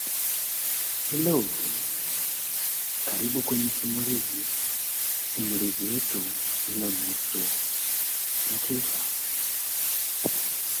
He was born in Latvia.